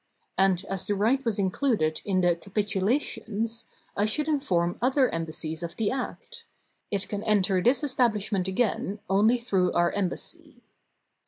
And, as the right was included in the "Capitulations," I should inform other embassies of the act. It can enter this establishment again only through our embassy.